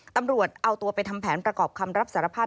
ตำรวจเอาตัวไปทำแผนประกอบคำรับสารภาพ